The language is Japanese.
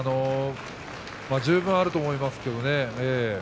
十分あると思いますけれどもね。